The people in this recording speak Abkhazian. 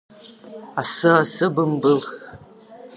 Асы, асы бымбыл.